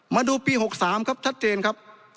มาดูปี๖๓ครับชัดเจนครับ